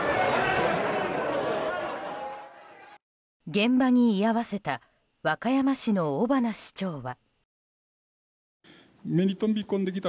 現場に居合わせた和歌山市の尾花市長は。